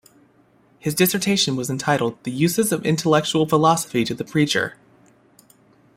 His dissertation was entitled "The Uses of Intellectual Philosophy to the Preacher".